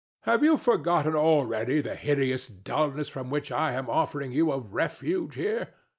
[To the Statue] Have you forgotten already the hideous dulness from which I am offering you a refuge here?